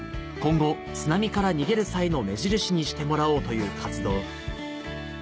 今後津波から逃げる際の目印にしてもらおうという活動